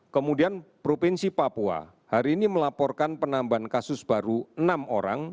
kemudian provinsi papua hari ini melaporkan penambahan kasus baru enam orang